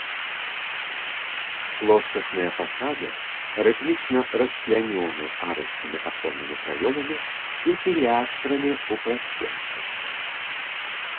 Плоскасныя фасады рытмічна расчлянёны арачнымі аконнымі праёмамі і пілястрамі ў прасценках.